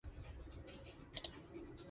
普拉尼。